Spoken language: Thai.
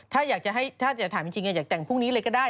ถ้าอยากจะถามจริงอยากจะแต่งพรุ่งนี้เลยก็ได้